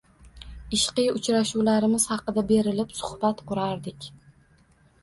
Ishqiy uchrashuvlarimiz haqida berilib suhbat qurardik.